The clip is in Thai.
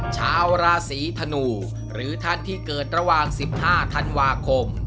ชาวราศีธนูหรือท่านที่เกิดระหว่าง๑๕ธันวาคม